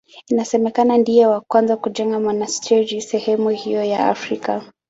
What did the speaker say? Inasemekana ndiye wa kwanza kujenga monasteri sehemu hiyo ya Afrika.